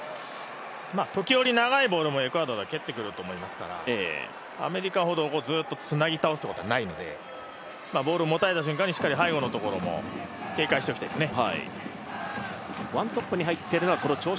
時折、長いボールもエクアドルは蹴ってくると思いますからアメリカほど、ずっとつなぎ倒すことはないと思うのでボールを持たれた瞬間にしっかり背後のところも警戒しておきたいですね。